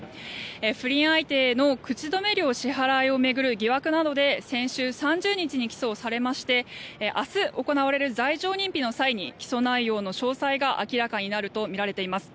不倫相手への口止め料支払いを巡る疑惑などで先週３０日に起訴されまして明日行われる罪状認否の際に起訴内容の詳細が明らかになるとみられています。